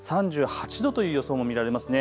３８度という予想も見られますね。